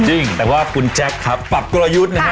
จริงแต่ว่าคุณแจ๊คครับปรับกลยุทธ์นะฮะ